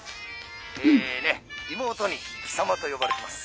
「え妹に貴様と呼ばれてます」。